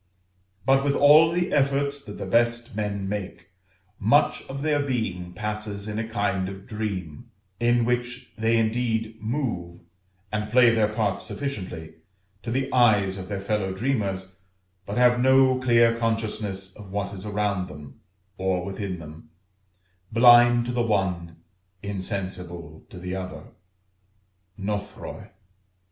But, with all the efforts that the best men make, much of their being passes in a kind of dream, in which they indeed move, and play their parts sufficiently, to the eyes of their fellow dreamers, but have no clear consciousness of what is around them, or within them; blind to the one, insensible to the other, [Greek: nôthroi].